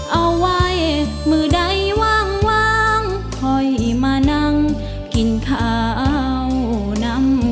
เอาไว้มือใดวางค่อยมานั่งกินข้าวนำ